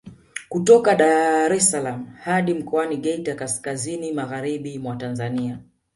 Kutoka Daressalaam hadi mkoani Geita kaskazini magharibi mwa Tanzania